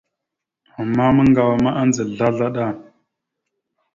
Ama maŋgawa ma andza slaslaɗa.